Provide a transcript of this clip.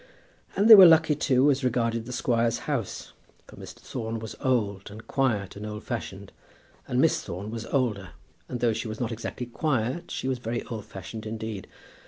And they were lucky, too, as regarded the squire's house; for Mr. Thorne was old, and quiet, and old fashioned; and Miss Thorne was older, and though she was not exactly quiet, she was very old fashioned indeed.